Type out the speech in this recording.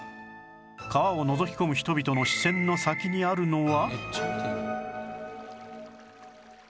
川をのぞき込む人々の視線の先にあるのは